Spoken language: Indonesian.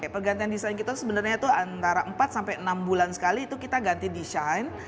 pergantian desain kita sebenarnya itu antara empat sampai enam bulan sekali itu kita ganti desain